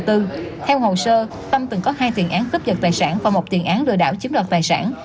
theo hồ sơ tâm từng có hai tiền án cướp giật tài sản và một tiền án lừa đảo chiếm đoạt tài sản